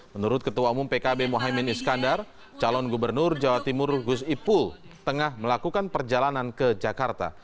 menurut ketua umum pkb mohaimin iskandar calon gubernur jawa timur gus ipul tengah melakukan perjalanan ke jakarta